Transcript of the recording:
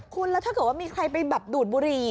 คุณแล้วถ้าเกิดว่ามีใครไปแบบดูดบุหรี่